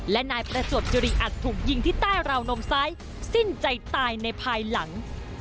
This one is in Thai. และนายประจวบคิริอัดถูกยิงที่ใต้ราวนมซ้ายสิ้นใจตายในภายหลัง